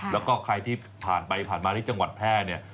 แล้วก็ใครที่ผ่านไปผ่านมาที่จังหวัดแพร่เนี่ย